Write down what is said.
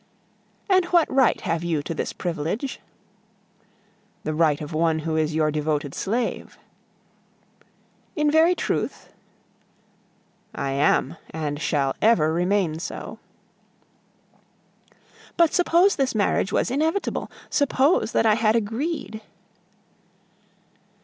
"And what right have you to this privilege?" "The right of one who is your devoted slave." "In very truth?" "I am, and shall ever remain so." "But suppose this marriage was inevitable; suppose that I had agreed..."